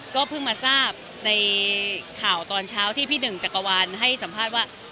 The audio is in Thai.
ก็เพิ่งมาทราบในข่าวตอนเช้าที่พี่หนึ่งจักรวาลให้สัมภาษณ์ว่า